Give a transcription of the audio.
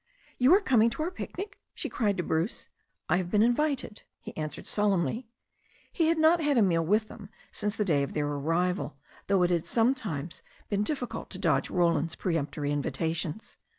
"You are coming to our picnic?" she cried to Bruce. "I have been invited," he answered solemnly. He had not had a meal with them since the day of their arrival, though it had sometimes been difficult to dodge Roland's peremp tory invitations.